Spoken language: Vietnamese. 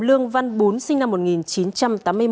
lương văn bún sinh năm một nghìn chín trăm tám mươi một